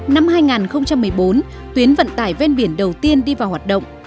năm hai nghìn một mươi bốn tuyến vận tải ven biển đầu tiên đi vào hoạt động